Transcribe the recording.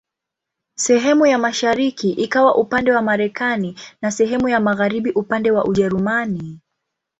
Sehemu ya mashariki ikawa upande wa Marekani na sehemu ya magharibi upande wa Ujerumani.